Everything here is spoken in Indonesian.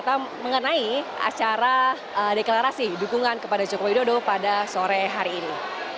kita mengenai acara deklarasi dukungan kepada jokowi dodo pada sore hari ini